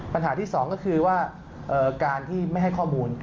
ปัญหาที่สองก็คือว่าการที่ไม่ให้ข้อมูล